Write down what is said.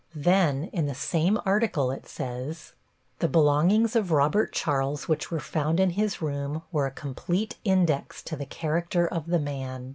Then in the same article it says: The belongings of Robert Charles which were found in his room were a complete index to the character of the man.